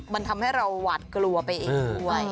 มันทำให้เราหวัดกลัวไปอีกด้วย